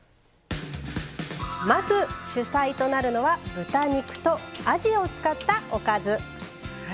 まず主菜となるのは豚肉とあじを使ったおかず。